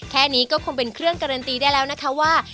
แค่นี้ก็คงเป็นเครื่องการันตีได้แล้วนะคะว่า